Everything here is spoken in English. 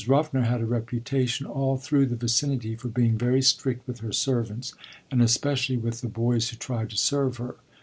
Ruffner had a reputation all through the vicinity for being very strict with her servants, and especially with the boys who tried to serve her.